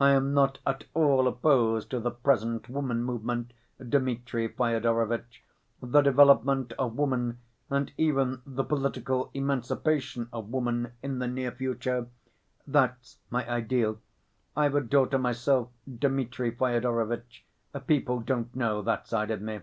I am not at all opposed to the present woman movement, Dmitri Fyodorovitch. The development of woman, and even the political emancipation of woman in the near future—that's my ideal. I've a daughter myself, Dmitri Fyodorovitch, people don't know that side of me.